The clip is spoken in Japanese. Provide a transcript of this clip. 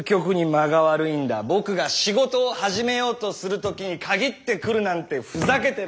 僕が仕事を始めようとする時に限って来るなんてふざけてる。